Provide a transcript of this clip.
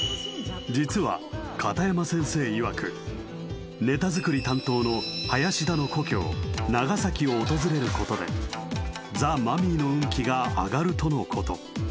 実は片山先生いわくネタ作り担当の林田の故郷長崎を訪れることでザ・マミィの運気が上がるとのこと